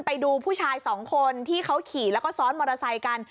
ไปดูผู้ชายสองคนที่เขาขี่แล้วก็ซ้อนมอเตอร์ไซค์กัน